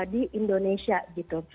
di indonesia gitu